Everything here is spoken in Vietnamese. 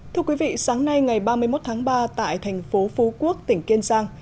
thưa quý vị sáng nay ngày ba mươi một tháng ba tại thành phố phú quốc tỉnh kiên giang